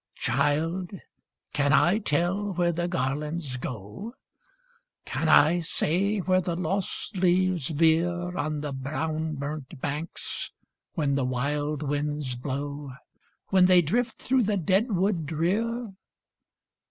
"Child! can I tell where the garlands go? Can I say where the lost leaves veer On the brown burnt banks, when the wild winds blow, When they drift through the dead wood drear?